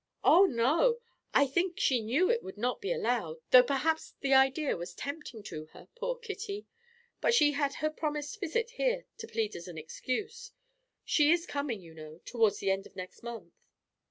"Oh, no, I think she knew it would not be allowed, though perhaps the idea was tempting to her, poor Kitty! But she had her promised visit here to plead as an excuse; she is coming, you know, towards the end of next month."